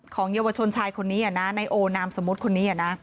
เยาวชนชายคนนี้ในโอนามสมมุติคนนี้นะ